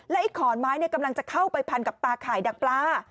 ไอ้ขอนไม้กำลังจะเข้าไปพันกับตาข่ายดักปลา